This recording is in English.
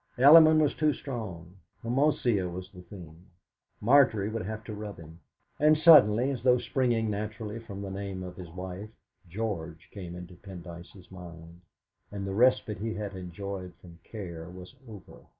Elliman was too strong! Homocea was the thing. Margery would have to rub him! And suddenly, as though springing naturally from the name of his wife, George came into Mr. Pendyce's mind, and the respite that he had enjoyed from care was over.